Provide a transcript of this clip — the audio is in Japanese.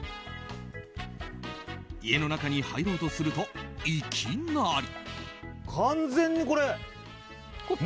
家の中に入ろうとするといきなり。